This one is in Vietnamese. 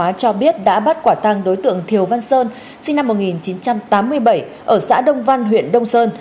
thanh hóa cho biết đã bắt quả tăng đối tượng thiều văn sơn sinh năm một nghìn chín trăm tám mươi bảy ở xã đông văn huyện đông sơn